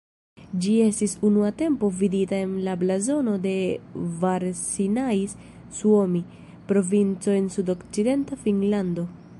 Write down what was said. Ĝi estis unua tempo vidita en la blazono de Varsinais-Suomi, provinco en sudokcidenta Finnlando.